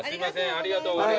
ありがとうございます。